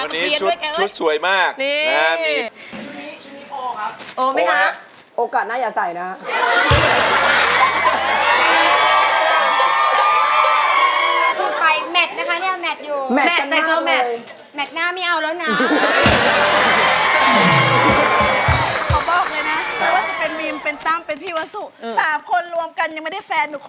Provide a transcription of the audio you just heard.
นี่ใส่ชุดเกร็ดฟ้าสัมเตียนด้วยแค่ไหนนี่ชุดสวยมาก